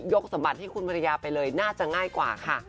สมบัติให้คุณภรรยาไปเลยน่าจะง่ายกว่าค่ะ